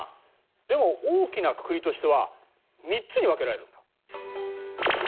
でも大きなくくりとしては３つに分けられるんだ。